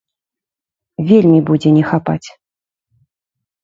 Вельмі будзе не хапаць.